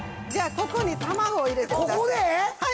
ここに卵を入れてください